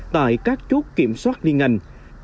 tại các chốt kiểm soát liên ngành